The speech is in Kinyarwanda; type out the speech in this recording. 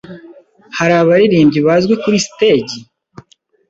Hari abaririmbyi bazwi kuri stage?